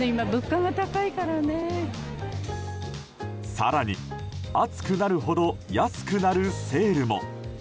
更に暑くなるほど安くなるセールも。